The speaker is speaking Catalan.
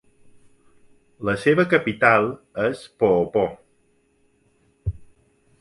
La seva capital és Poopó.